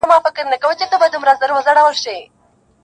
o بې ما بې شل نه کې!